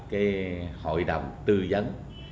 cái hội đồng tư dấn